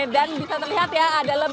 jadi ini sudah ada di seluruh panggung utama